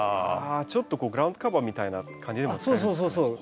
ちょっとグラウンドカバーみたいな感じにも使えるんですかね。